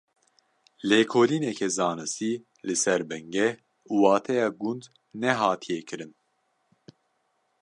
Lêkolîneke zanistî li ser bingeh û wateya gund nehatiye kirin.